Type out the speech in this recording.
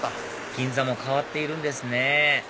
銀座も変わっているんですね